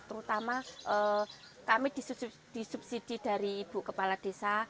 terutama kami disubsidi dari ibu kepala desa